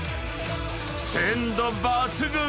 ［鮮度抜群！］